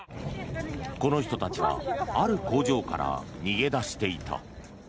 この人たちはある工場から逃げ出していた。